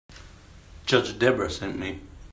Judge Debra sent me.